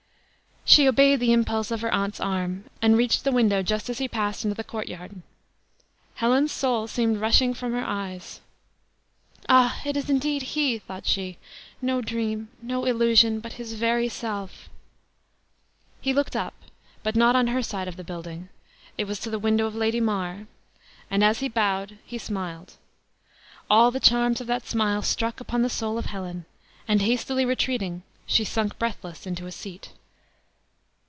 She obeyed the impulse of her aunt's arm, and reached the window just as he passed into the courtyard. Helen's soul seemed rushing from her eyes. "Ah! it is indeed he!" thought she; "no dream, no illusion, but his very self." He looked up; but not on her side of the building; it was to the window of Lady Mar; and as he bowed, he smiled. All the charms of that smile struck upon the soul of Helen; and, hastily retreating, she sunk breathless into a seat.